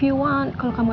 tante jangan tersangop